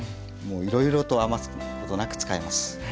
もういろいろと余すことなく使えます。